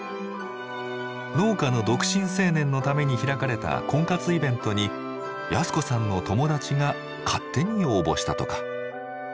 農家の独身青年のために開かれた婚活イベントに靖子さんの友達が勝手に応募したとか。